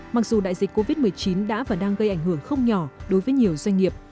mặc dù đại dịch covid một mươi chín đã và đang gây ảnh hưởng không nhỏ đối với nhiều doanh nghiệp